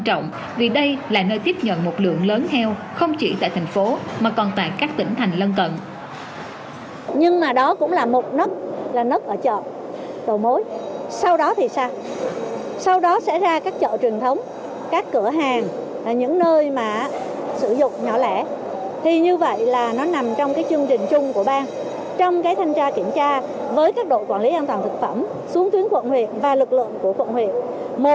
ở địa bàn giáp các tỉnh thành phố thì công tác kiểm tra và quản lý nguồn thịt heo